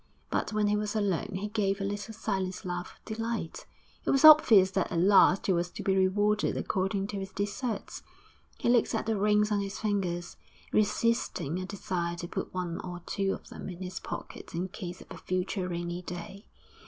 But when he was alone he gave a little silent laugh of delight. It was obvious that at last he was to be rewarded according to his deserts. He looked at the rings on his fingers, resisting a desire to put one or two of them in his pocket in case of a future rainy day.